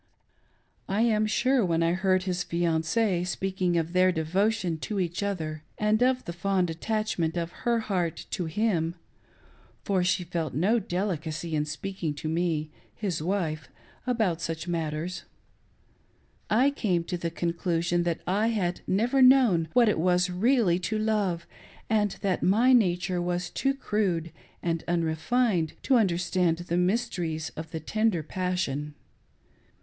I am sure when I heard his fianc6e speaking of their devotion to each other, and of the fond attachment of her heart to him (for she felt no delicacy in speaking to me — his wife — about such matters,) I came to the conclusion that I had never known what it was to really love, and that my nature was too crude and unrefined to understand the mysteries of the tender passion.